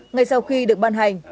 ngay sau khi được ban hành